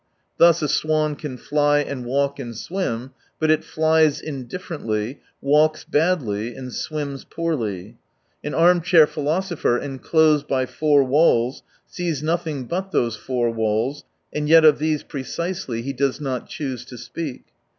Thus a swan can fly,^ and walk, and swim. But it flies indifferently, walks badly, and swims poorly. An arm chair philo sopher, enclosed by four walls, sees nothing but those four walls, and yet of these pre cisely he does not choose to speak.